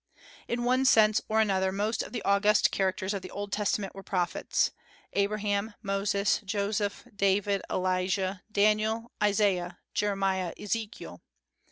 In one sense or another most of the august characters of the Old Testament were prophets, Abraham, Moses, Joseph, David, Elijah, Daniel, Isaiah, Jeremiah, Ezekiel.